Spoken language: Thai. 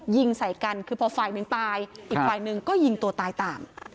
ยิงใส่กันคือพอฝ่ายหนึ่งตายอีกฝ่ายหนึ่งก็ยิงตัวตายตาม